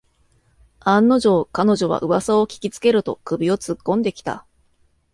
案の定、彼女はうわさを聞きつけると首をつっこんできた